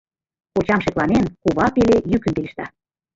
Кочам шекланен, кува пеле йӱкын пелешта: